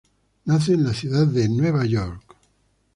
Nace en la ciudad de Nueva York.